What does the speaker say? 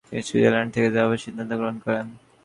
তিনি সুইজারল্যান্ডেই থেকে যাবার সিদ্ধান্ত গ্রহণ করেন।